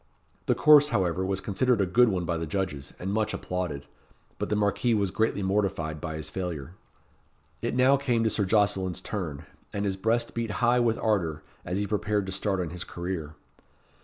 The course, however, was considered a good one by the judges, and much applauded; but the Marquis was greatly mortified by his failure. It now came to Sir Jocelyn's turn, and his breast beat high with ardour, as he prepared to start on his career.